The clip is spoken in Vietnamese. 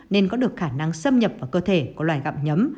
nên có được khả năng xâm nhập vào cơ thể của loài gặm nhấm